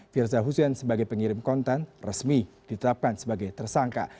firza hussein sebagai pengirim konten resmi ditetapkan sebagai tersangka